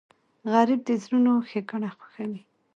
غریب د زړونو ښیګڼه خوښوي